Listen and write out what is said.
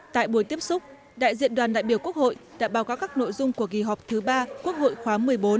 tại buổi tiếp xúc đại diện đoàn đại biểu quốc hội đã báo cáo các nội dung của kỳ họp thứ ba quốc hội khóa một mươi bốn